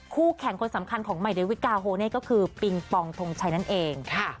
คู่แข่งคนสำคัญของใหม่เดวิกาโฮเน่ก็คือปิงปองทงชัยนั่นเอง